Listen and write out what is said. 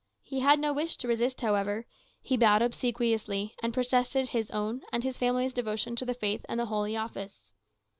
He had no wish to resist, however; he bowed obsequiously, and protested his own and his family's devotion to the Faith and the Holy Office.